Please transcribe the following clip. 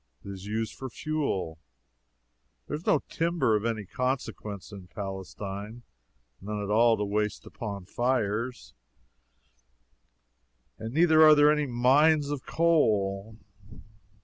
It is used for fuel. There is no timber of any consequence in Palestine none at all to waste upon fires and neither are there any mines of coal.